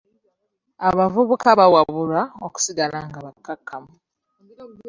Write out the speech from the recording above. Abavubuka baawabulwa okusigala nga bakkakkamu.